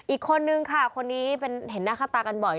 อีกคนนึงค่ะคนนี้เป็นเห็นหน้าค่าตากันบ่อย